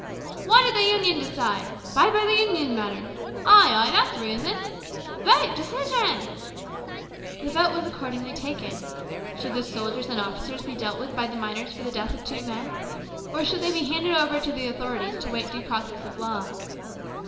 " What did the Union decide ? Bide by the Union in the matter ! Ay, ay, that's reason ! Vote ! Decision !" The vote was accordingly taken. Should the soldiers and officers be dealt with by the miners for the death of the two men, or should they be handed over to the authorities to await due process of law